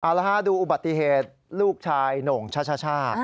อารหาดูอุบัติเหตุลูกชายโหน่งชชช่า